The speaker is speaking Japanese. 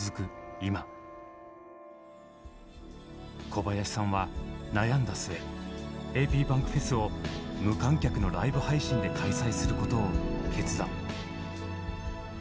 今小林さんは悩んだ末ａｐｂａｎｋｆｅｓを無観客のライブ配信で開催することを決断。